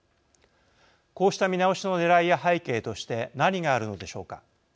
こうした見直しのねらいや背景として何があるのでしょうか。